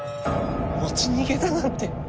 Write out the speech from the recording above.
持ち逃げだなんて。